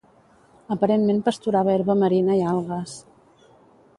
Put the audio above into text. Aparentment pasturava herba marina i algues.